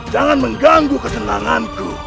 jangan mengganggu kesenanganku